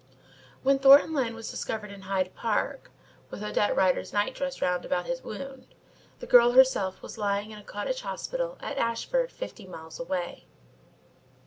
When Thornton Lyne was discovered in Hyde Park, with Odette Rider's night dress round about his wound, the girl herself was lying in a cottage hospital at Ashford fifty miles away.